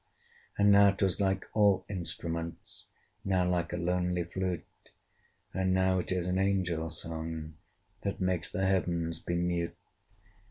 And now 'twas like all instruments, Now like a lonely flute; And now it is an angel's song, That makes the Heavens be mute.